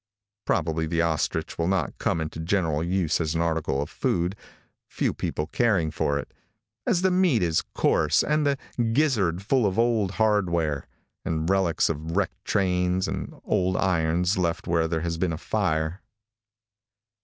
Probably the ostrich will not come into general use as an article of food, few people caring for it, as the meat is coarse, and the gizzard full of old hardware, and relics of wrecked trains and old irons left where there has been a fire.